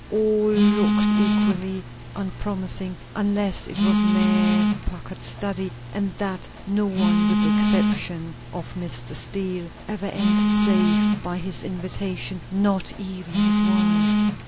All looked equally unpromising, unless it was Mayor Packard's study, and that no one with the exception of Mr. Steele ever entered save by his invitation, not even his wife.